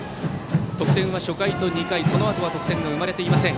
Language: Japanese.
得点は初回と２回、そのあとは得点が生まれていません。